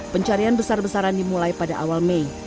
pencarian besar besaran dimulai pada awal mei